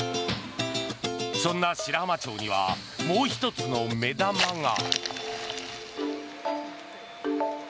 そんな白浜町にはもう１つの目玉が。